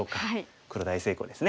黒大成功です。